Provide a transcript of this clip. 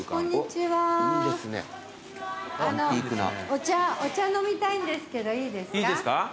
お茶飲みたいんですけどいいですか？